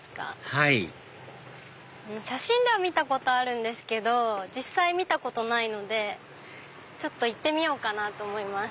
はい写真では見たことあるんですけど実際見たことないのでちょっと行ってみようかなと思います。